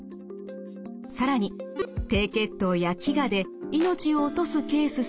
更に低血糖や飢餓で命を落とすケースさえあります。